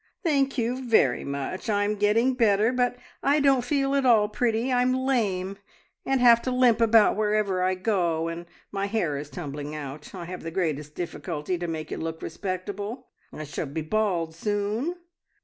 "Thank you very much. I am getting better, but I don't feel at all pretty. I'm lame, and have to limp about wherever I go, and my hair is tumbling out. I have the greatest difficulty to make it look respectable. I shall be bald soon!"